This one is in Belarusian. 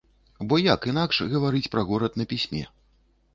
Бо як інакш гаварыць пра горад на пісьме?